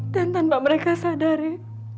dan tanpa mereka sadari